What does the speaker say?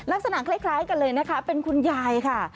ลักษณะคล้ายกันเลยนะคะเป็นคุณยายค่ะ